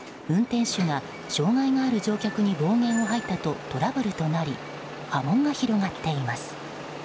運転手が障害がある乗客に暴言を吐いたとトラブルとなり波紋が広がっています。